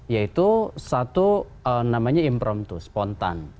yaitu satu namanya impromptu spontan